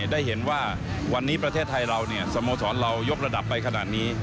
ได้เห็นว่าวันนี้ประเทศไทยเราสโมสรเรายกระดับไปขนาดนี้